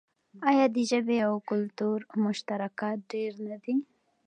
آیا د ژبې او کلتور مشترکات ډیر نه دي؟